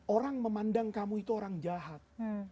orang memandang kamu itu orang jahat